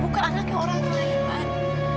bukan anaknya orang lain kan